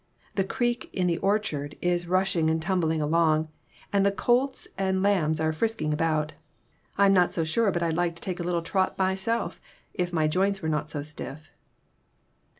The creek in the orchard is rushing and tumbling along, and the colts and lambs are frisking about. I'm not sure but I'd like to take a little trot myself, if my joints were not so stiff."